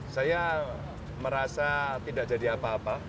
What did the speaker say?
saya merasa tidak jadi apa apa